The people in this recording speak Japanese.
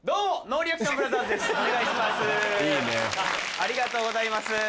ありがとうございます。